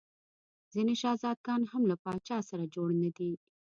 ځیني شهزاده ګان هم له پاچا سره جوړ نه دي.